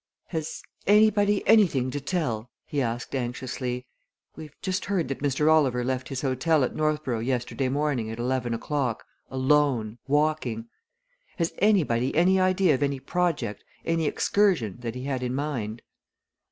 "Has anybody anything to tell?" he asked anxiously. "We've just heard that Mr. Oliver left his hotel at Northborough yesterday morning at eleven o'clock, alone, walking. Has anybody any idea of any project, any excursion, that he had in mind?"